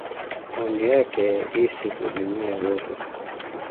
Honde ake isi hulimia buru.